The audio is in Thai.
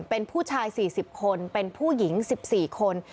เป็นผู้ชาย๔๐คนเป็นผู้หญิง๑๔คน